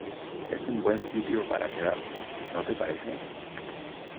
es un buen sitio para quedarse, ¿ no te parece?